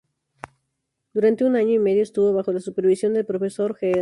Durante un año y medio estuvo bajo la supervisión del Profesor Gr.